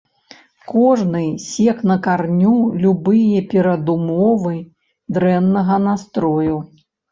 Кожны сек на кораню любыя перадумовы дрэннага настрою.